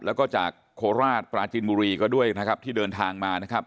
แล้วก็จากโคราชปราจินบุรีก็ด้วยนะครับที่เดินทางมานะครับ